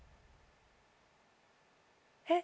えっ。